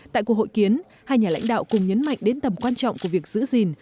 tại cuộc hội kiến hai nhà lãnh đạo cùng nhấn mạnh đến tầm quan trọng của việc giữ gìn